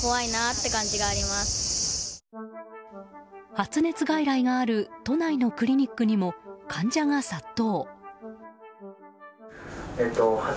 発熱外来がある都内のクリニックにも患者が殺到。